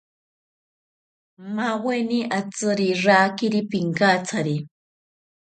Maweni atziri rakiri pinkatsari